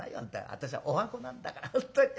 私のおはこなんだから本当に。